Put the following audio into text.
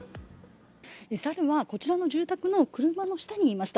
猿はこちらの住宅の車の下にいました。